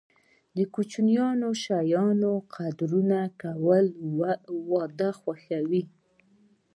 د کوچنیو شیانو قدرداني کول، واده خوښوي.